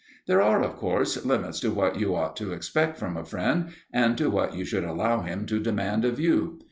There are, of course, limits to what you ought to expect from a friend and to what you should allow him to demand of you.